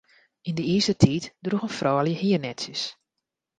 Yn de Izertiid droegen froulju hiernetsjes.